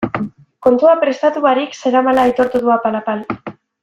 Kontua prestatu barik zeramala aitortu du apal-apal.